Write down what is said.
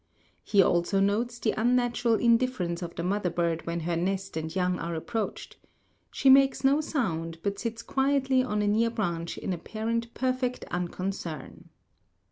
He also notes the unnatural indifference of the mother bird when her nest and young are approached. She makes no sound, but sits quietly on a near branch in apparent perfect unconcern.